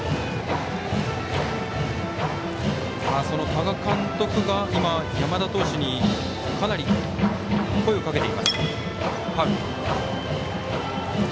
多賀監督が山田投手に声をかけていました。